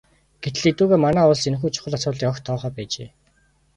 Гэтэл эдүгээ манай улс энэхүү чухал асуудлыг огт тоохоо байжээ.